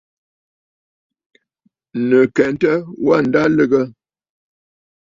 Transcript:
Nɨ̀ kɛntə, wâ ǹda lɨgə.